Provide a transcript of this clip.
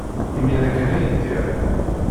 Imir-a kan ay ddiɣ.